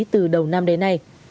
từ đầu năm đến nay